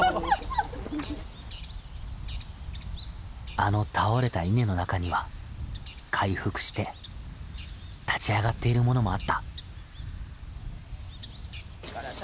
あの倒れた稲の中には回復して立ち上がっているものもあった。